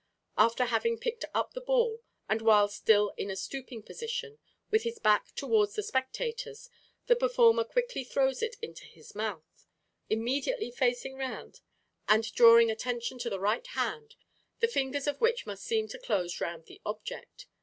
After having picked up the ball, and while still in a stooping position, with his back towards the spectators, the performer quickly throws it into his mouth, immediately facing round and drawing attention to the right hand, the fingers of which must seem to close round the object.